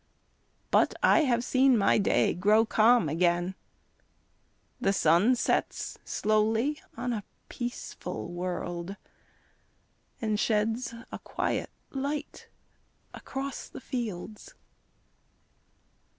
But I have seen my day grow calm again. The sun sets slowly on a peaceful world, And sheds a quiet light across the fields.